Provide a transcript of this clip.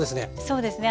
そうですね。